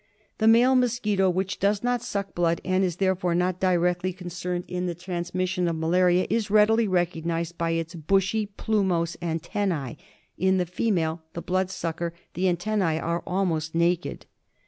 The male mosquito, which does not suck blood and is therefore not directly concerned in the transmission of malaria, is readily recognised by his bushy, plumose antennae ; Mn the female — the blood sucker — the antennae are almost naked.